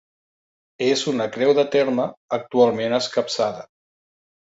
És una creu de terme, actualment escapçada.